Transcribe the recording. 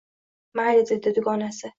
Mayli, dedi dugonasi